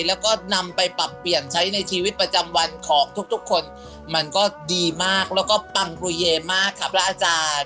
แล้วก็นำไปปรับเปลี่ยนใช้ในชีวิตประจำวันของทุกทุกคนมันก็ดีมากแล้วก็ปังปรูเยมากค่ะพระอาจารย์